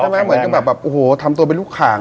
เหมือนกับแบบโอ้โหทำตัวเป็นลูกขาง